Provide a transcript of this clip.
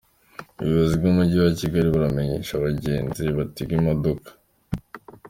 Ubuyobozi bw’Umujyi wa Kigali buramenyesha abagenzi batega imodoka.